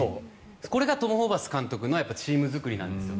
これがトム・ホーバス監督のチーム作りなんですよ。